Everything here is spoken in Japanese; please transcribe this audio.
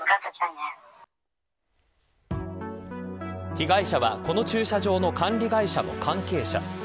被害者はこの駐車場の管理会社の関係者。